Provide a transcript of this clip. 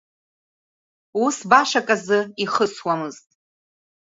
Ус башак азы ихысуамызт.